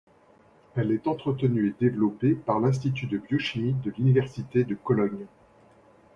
Elle est entretenue et développée par l'Institut de biochimie de l'Université de Cologne.